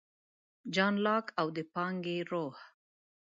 جان لاک او د پانګې روح